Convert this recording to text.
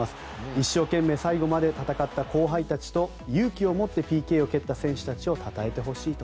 一生懸命最後まで戦った後輩たちと勇気を持ってＰＫを蹴った選手たちをたたえてほしいと。